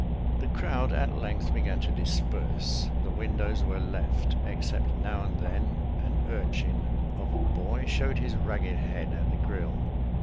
The crowd at length began to disperse; the windows were left, except now and then an urchin of a boy showed his ragged head at the grille.